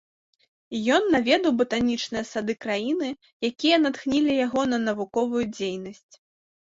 Ён наведаў батанічныя сады краіны, якія натхнілі яго на навуковую дзейнасць.